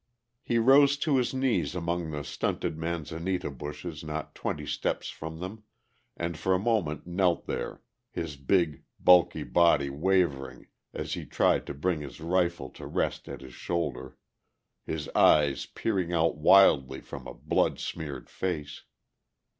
He rose to his knees among the stunted manzanita bushes not twenty steps from them and for a moment knelt there, his big bulky body wavering as he tried to bring his rifle to rest at his shoulder, his eyes peering out wildly from a blood smeared face.